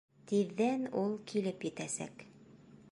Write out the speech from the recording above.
Тиҙҙән ул килеп етәсәк.